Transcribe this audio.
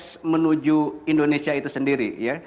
kita dalam proses menuju indonesia itu sendiri ya